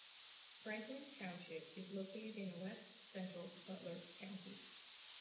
Franklin Township is located in west-central Butler County.